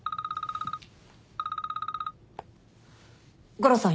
悟郎さん